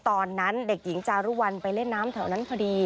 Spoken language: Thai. ตอนนั้นเด็กหญิงจารุวัลไปเล่นน้ำแถวนั้นพอดี